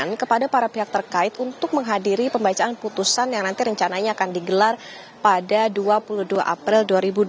kepada para pihak terkait untuk menghadiri pembacaan putusan yang nanti rencananya akan digelar pada dua puluh dua april dua ribu dua puluh